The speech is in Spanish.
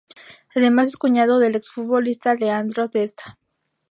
Además es cuñado del exfutbolista Leandro Testa.